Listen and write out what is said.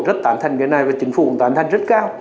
rất tán thanh cái này và chính phủ cũng tán thanh rất cao